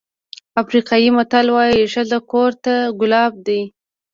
افریقایي متل وایي ښځه کور ته ګلاب دی.